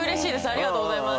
ありがとうございます。